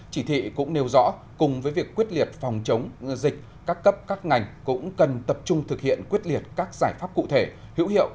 chỉ thị cũng nêu rõ cùng với việc quyết liệt phòng chống dịch các cấp các ngành cũng cần tập trung thực hiện quyết liệt các giải pháp cụ thể hữu hiệu